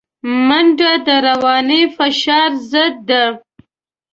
منډه د رواني فشار ضد ده